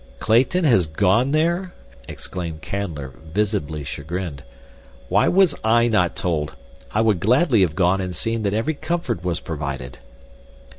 "Clayton has gone there?" exclaimed Canler, visibly chagrined. "Why was I not told? I would gladly have gone and seen that every comfort was provided."